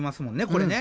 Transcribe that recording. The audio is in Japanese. これね。